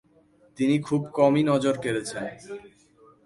তিনি খুব কমই নজর কেড়েছেন।